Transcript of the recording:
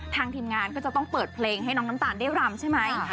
ทีมงานก็จะต้องเปิดเพลงให้น้องน้ำตาลได้รำใช่ไหม